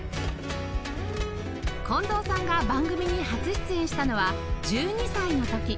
近藤さんが番組に初出演したのは１２歳の時